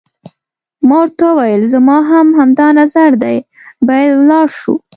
ما ورته وویل: زما هم همدا نظر دی، باید ولاړ شو.